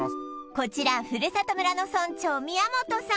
こちらふるさと村の村長宮本さん